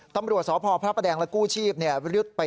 ตำรวจสอพพระแปดังละกู้ชีพรุดไปสวดสอบที่เกิดเหตุนะครับ